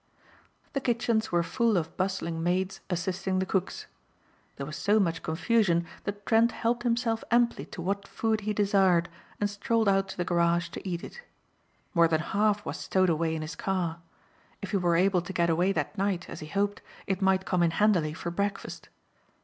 The kitchens were full of bustling maids assisting the cooks. There was so much confusion that Trent helped himself amply to what food he desired and strolled out to the garage to eat it. More than half was stowed away in his car. If he were able to get away that night, as he hoped, it might come in handily for breakfast.